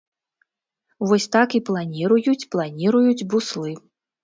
Вось так і планіруюць, планіруюць буслы.